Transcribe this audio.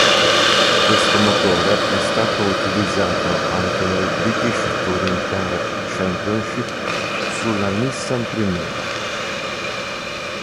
Questo motore è stato utilizzato anche nel British Touring Car Championship sulla Nissan Primera.